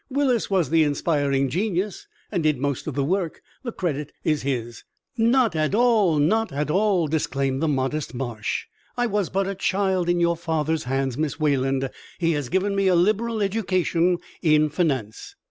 "Willis was the inspiring genius, and did most of the work; the credit is his." "Not at all! Not at all!" disclaimed the modest Marsh. "I was but a child in your father's hands, Miss Wayland. He has given me a liberal education in finance."